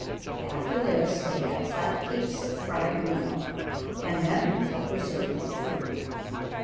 After this they had flat cakes of fried meal, and then a preserve of fruit.